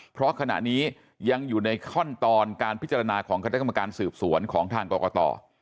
เพราะขณะนี้ยังอยู่ในขั้นตอนการพิจารณาของคณะกรรมการสืบสวนของทางกรกต